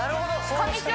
こんにちは